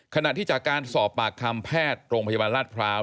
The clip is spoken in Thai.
ขณะที่จากการสอบปากคำแพทย์โรงพยาบาลราชพร้าว